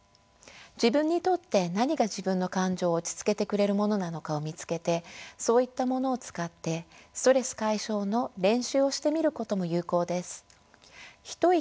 自分にとって何が自分の感情を落ち着けてくれるものなのかを見つけてそういったものを使ってストレス解消の練習をしてみることも有効です。